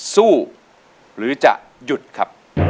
สู้ค่ะสู้ค่ะ